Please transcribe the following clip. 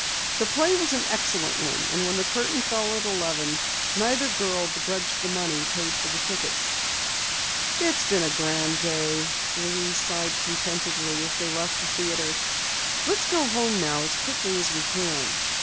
The play was an excellent one and when the curtain fell at eleven, neither girl begrudged the money paid for tickets. "It's been a grand day," Louise sighed contentedly as they left the theatre. "Let's get home now as quickly as we can."